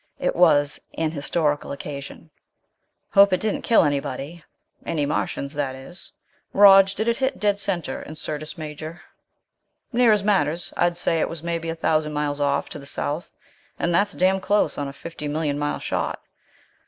It was an historical occasion. "Hope it didn't kill anybody. Any Martians, that is. Rog, did it hit dead center in Syrtis Major?" "Near as matters. I'd say it was maybe a thousand miles off, to the south. And that's damn close on a fifty million mile shot.